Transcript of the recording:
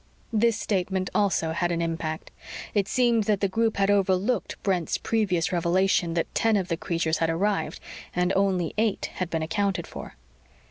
This statement also had impact. It seemed that the group had overlooked Brent's previous revelation that ten of the creatures had arrived and only eight had been accounted for.